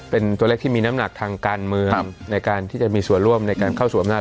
เป็นตัวเลขที่มีน้ำหนักทางการเมืองในการที่จะมีส่วนร่วมในการเข้าสู่อำนาจ